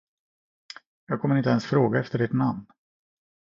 Jag kom inte ens att fråga efter ert namn.